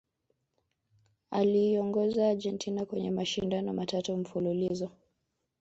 aliiongoza Argentina kwenye mashindano matatu mfululizo